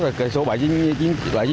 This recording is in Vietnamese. số bảy trăm chín mươi chín cộng tám trăm linh